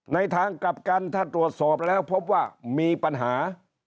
ในทางกลับกันถ้าตรวจสอบแล้วพบว่ามีปัญหา